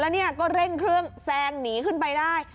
แล้วเนี่ยก็เร่งเครื่องแซงหนีขึ้นไปได้